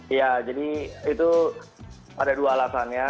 iya jadi itu ada dua alasannya